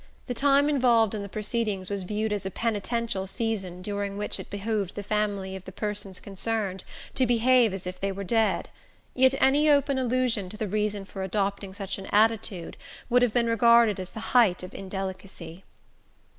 The time involved in the "proceedings" was viewed as a penitential season during which it behoved the family of the persons concerned to behave as if they were dead; yet any open allusion to the reason for adopting such an attitude would have been regarded as the height of indelicacy.